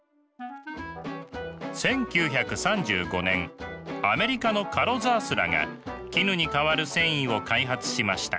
１９３５年アメリカのカロザースらが絹に代わる繊維を開発しました。